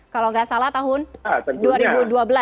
kalau nggak salah tahun dua ribu dua belas